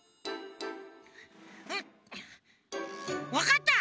んわかった！